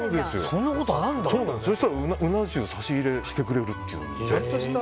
そうしたら鰻重を差し入れしてくれるというんで。